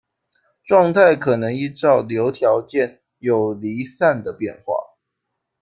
状态可能依照其「流条件」有离散的变化。